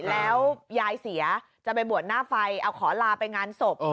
แล้วยายเสียจะไปบวชหน้าไฟเอาขอลาไปงานศพ